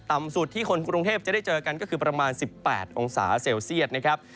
สุดที่คนกรุงเทพจะได้เจอกันก็คือประมาณ๑๘องศาเซลเซียตนะครับ